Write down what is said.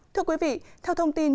thưa quý vị theo thông tin